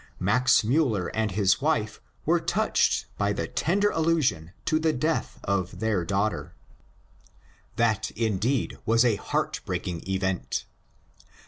Max Miiller and his wife were touched by the tender allusion to the death of their daughter. 312 MONCURE DANIEL CONWAY That indeed was a heart breaking event.